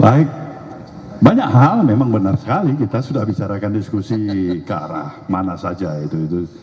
baik banyak hal memang benar sekali kita sudah bicarakan diskusi ke arah mana saja itu